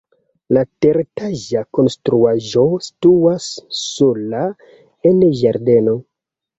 La teretaĝa konstruaĵo situas sola en ĝardeno.